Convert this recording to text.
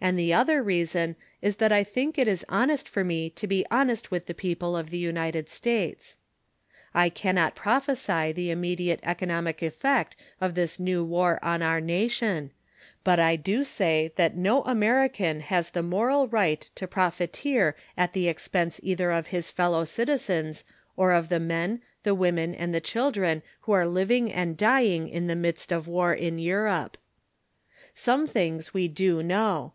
And the other reason is that I think it is honest for me to be honest with the people of the United States. I cannot prophesy the immediate economic effect of this new war on our nation, but I do say that no American has the moral right to profiteer at the expense either of his fellow citizens or of the men, the women and the children who are living and dying in the midst of war in Europe. Some things we do know.